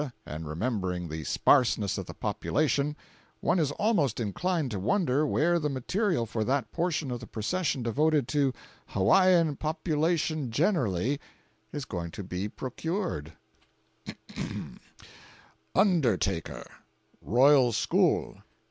and remembering the sparseness of the population, one is almost inclined to wonder where the material for that portion of the procession devoted to "Hawaiian Population Generally" is going to be procured: 490.jpg (34K) 491.jpg (105K) Undertaker. Royal School.